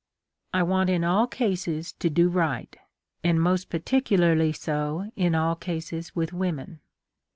" I want in all cases to do right ; and most particu larly so in all cases with women.